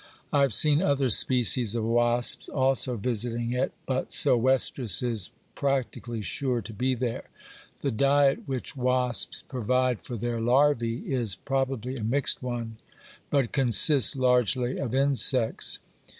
I have seen other species of wasps also visiting it, but sylvestris is practically sure to be there. The diet which wasps provide for their larvæ is probably a mixed one, but consists largely of insects.